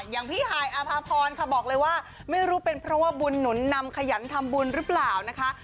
อย่างพี่หายอาภาพรค่ะบอกเลยว่าไม่รู้เป็นเพราะว่าบุญหนุนนำขยันทำบุญหรือเปล่านะคะ